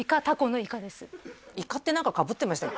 イカって何か被ってましたっけ？